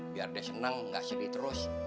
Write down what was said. biar dia senang gak sedih terus